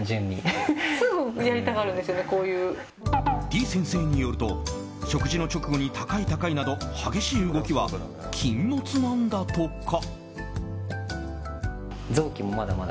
てぃ先生によると食事の直後に高い高いなど激しい動きは禁物なんだとか。